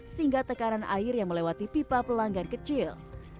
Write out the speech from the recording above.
sehingga tekanan air yang melewati pipa pelanggan kecil